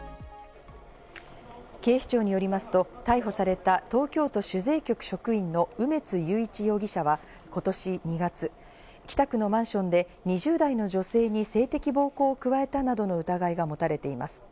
警視庁によりますと、逮捕された東京都主税局職員の梅津裕一容疑者は今年２月、北区のマンションで２０代の女性に性的暴行を加えたなどの疑いが持たれています。